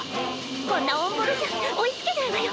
こんなオンボロじゃ追いつけないわよ。